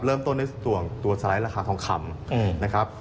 เริ่มต้นในส่วนตัวสไลด์ราคาทองคำนะครับ